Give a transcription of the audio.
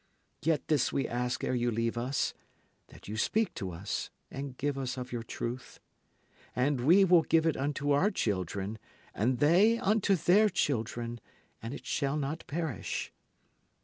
Yet this we ask ere you leave us, that you speak to us and give us of your truth. And we will give it unto our children, and they unto their children, and it shall not perish.